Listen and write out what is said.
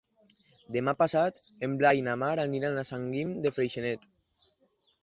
Demà passat en Blai i na Mar aniran a Sant Guim de Freixenet.